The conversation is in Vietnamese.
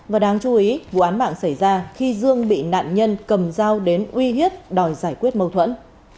và đáng chú ý vụ án mạng xảy ra khi dương bị nạn nhân cầm dao đến uy hiếp đòi giải quyết mâu thuẫn